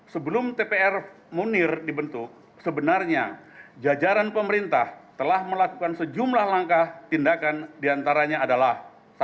sebelum tpf munir dibentuk sebenarnya jajaran pemerintah telah melakukan sejumlah langkah tindakan diantaranya adalah